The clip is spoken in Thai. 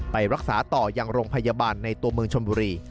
ไปรักษาต่อยังโรงพยาบาลในตัวเมืองชนบุรี